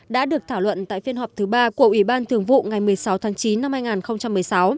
đã được thảo luận tại phiên họp thứ ba của ủy ban thường vụ ngày một mươi sáu tháng chín năm hai nghìn một mươi sáu